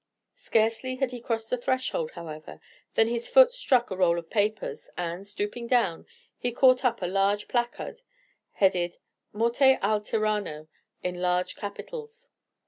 Scarcely had he crossed the threshold, however, than his foot struck a roll of papers, and, stooping down, he caught up a large placard, headed, "Morte al Tiranno," in large capitals.